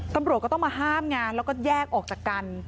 กำลังต้องมาห้ามงานแล้วก็แยกออกจากกัน